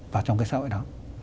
vào trong cái xã hội đó